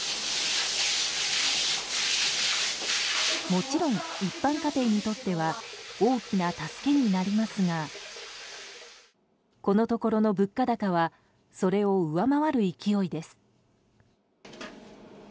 もちろん、一般家庭にとっては大きな助けになりますがこのところの物価高はそれを上回る勢いです。